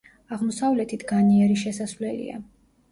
აღმოსავლეთით განიერი შესასვლელია.